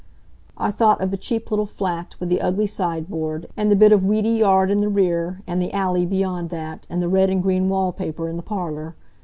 I thought of the cheap little flat, with the ugly sideboard, and the bit of weedy yard in the rear, and the alley beyond that, and the red and green wall paper in the parlor.